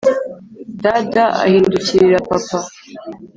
da-da ahindukirira papa.